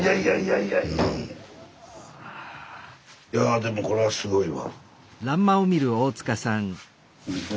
いやでもこれはすごいわ。